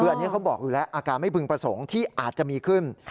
อันนี้เขาบอกอยู่แล้วอาการไม่พึงประสงค์ที่อาจจะมีขึ้น